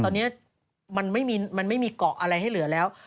ตอนนี้มันไม่มีเกาะอะไรให้เหลือแล้ว